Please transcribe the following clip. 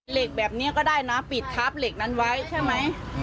เหล็กแบบนี้ก็ได้นะปิดทับเหล็กนั้นไว้ใช่ไหม